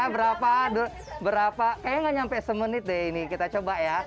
berapa kayaknya nggak nyampe semenit deh ini kita coba ya